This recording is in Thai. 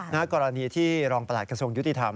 กรณีที่รองประหลัดกระทรวงยุติธรรม